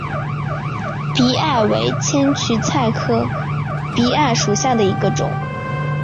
荸艾为千屈菜科荸艾属下的一个种。